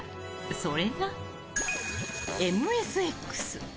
それがＭＳＸ。